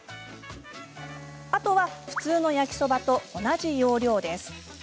あとは普通の焼きそばと同じ要領です。